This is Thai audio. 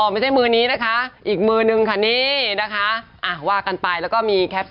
ไม่ใช่มือนี้นะคะอีกมือนึงค่ะนี่นะคะว่ากันไปแล้วก็มีแคป